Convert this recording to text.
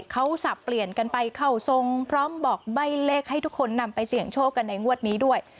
เขาสับเปลี่ยนกันไปเข้าทรงพร้อมบอกใบ้เลขให้ทุกคนนำไปเสี่ยงโชคกันในงวดนี้ด้วย